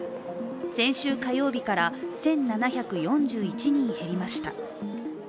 先週火曜日から１７４１人減りました。